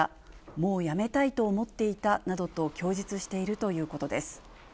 もうやめたいと思っていたなどと供述しているということです。